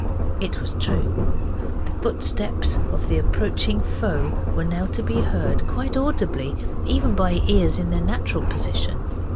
It was true. The footsteps of the approaching foe were now to be heard quite audibly, even by ears in their natural position.